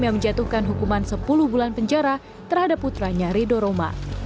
yang menjatuhkan hukuman sepuluh bulan penjara terhadap putranya rido roma